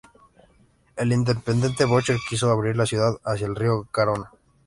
El intendente Boucher quiso abrir la ciudad hacia el río Garona.